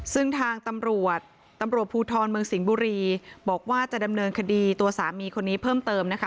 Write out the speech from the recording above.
ซึ่งทางตำรวจตำรวจภูทรเมืองสิงห์บุรีบอกว่าจะดำเนินคดีตัวสามีคนนี้เพิ่มเติมนะคะ